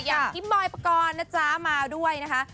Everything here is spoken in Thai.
อย่างกิมบอยปกรณ์นะจ๊ะมาด้วยนะคะ